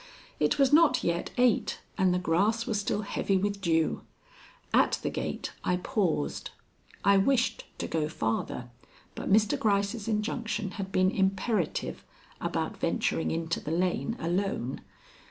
It was not yet eight, and the grass was still heavy with dew. At the gate I paused. I wished to go farther, but Mr. Gryce's injunction had been imperative about venturing into the lane alone.